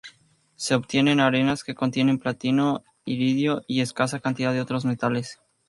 Se obtiene en arenas que contienen platino, iridio y escasa cantidad de otros metales.